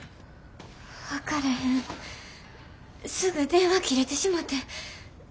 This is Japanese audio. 分かれへんすぐ電話切れてしもて。